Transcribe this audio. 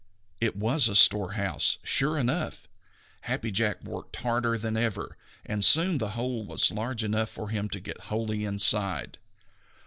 It was a storehouse, sure enough. Happy Jack worked harder than ever, and soon the hole was large enough for him to get wholly inside.